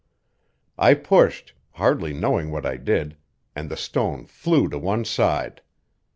I pushed, hardly knowing what I did, and the stone flew to one side.